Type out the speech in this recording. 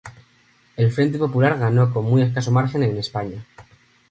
El Frente Popular ganó con muy escaso margen en España.